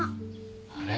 あれ？